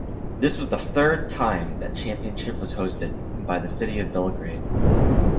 This was the third time that championship was hosted by the city of Belgrade.